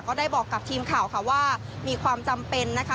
ก็ได้บอกกับทีมข่าวค่ะว่ามีความจำเป็นนะคะ